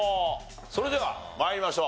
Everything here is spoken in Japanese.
それでは参りましょう。